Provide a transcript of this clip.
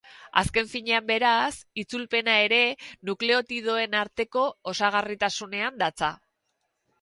Azken finean beraz, itzulpena ere nukleotidoen arteko osagarritasunean datza.